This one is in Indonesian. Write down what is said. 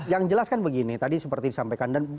yang jelas kan begini tadi seperti disampaikan